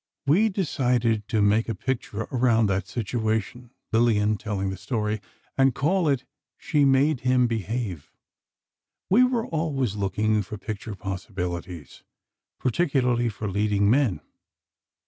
"We decided to make a picture around that situation"—Lillian telling the story—"and call it 'She Made Him Behave.' We were always looking for picture possibilities—particularly for leading men.